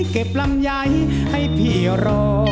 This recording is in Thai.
เก็บลำใหญ่ให้พี่รอ